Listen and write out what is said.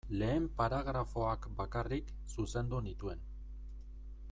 Lehen paragrafoak bakarrik zuzendu nituen.